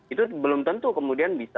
itu belum tentu kemudian bisa